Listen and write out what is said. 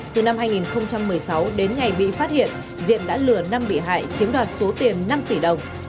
từ năm hai nghìn một mươi sáu đến ngày bị phát hiện diện đã lừa năm bị hại chiếm đoạt số tiền năm tỷ đồng